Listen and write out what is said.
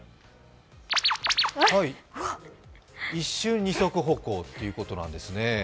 一瞬、二足歩行ということなんですね。